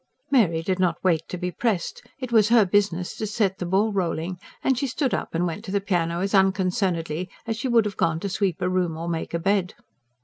Mary did not wait to be pressed; it was her business to set the ball rolling; and she stood up and went to the piano as unconcernedly as she would have gone to sweep a room or make a bed.